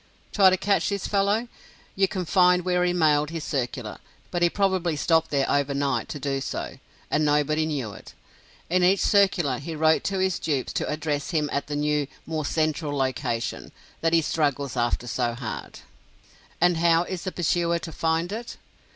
Try to catch this fellow. You can find where he mailed his circular; but he probably stopped there over night to do so, and nobody knew it. In each circular, he wrote to his dupes to address him at that new "more central location" that he struggles after so hard; and how is the pursuer to find it?